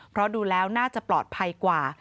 เพราะดูแล้วน่าจะปลอดภัยกว่า